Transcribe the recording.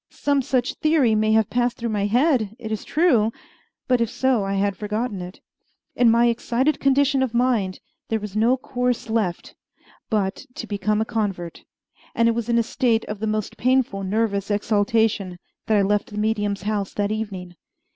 Some such theory may have passed through my head, it is true; but if so, I had forgotten it. In my excited condition of mind there was no course left but to become a convert, and it was in a state of the most painful nervous exaltation that I left the medium's house that evening.